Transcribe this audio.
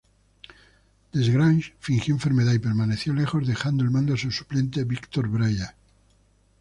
Desgrange fingió enfermedad y permaneció lejos, dejando al mando a su suplente, Victor Breyer.